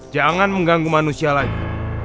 jangan mengganggu manusia lagi